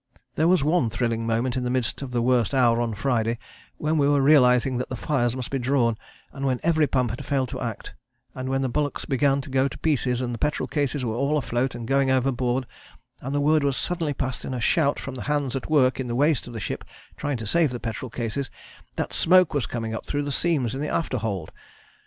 "There was one thrilling moment in the midst of the worst hour on Friday when we were realizing that the fires must be drawn, and when every pump had failed to act, and when the bulwarks began to go to pieces and the petrol cases were all afloat and going overboard, and the word was suddenly passed in a shout from the hands at work in the waist of the ship trying to save petrol cases that smoke was coming up through the seams in the afterhold.